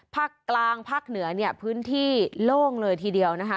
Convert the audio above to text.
ภาคกลางภาคเหนือเนี่ยพื้นที่โล่งเลยทีเดียวนะคะ